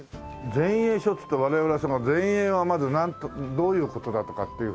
前衛書っつって我々はその前衛がまずどういう事だとかっていうふうに。